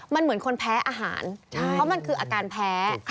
มันเหมือนคนแพ้อาหารเพราะมันคืออาการแพ้